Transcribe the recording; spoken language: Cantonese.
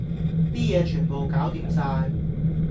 啲嘢全部攪掂晒